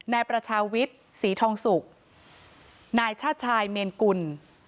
นายประชาวิทย์ศรีทองสุกนายชาติชายเมนกุล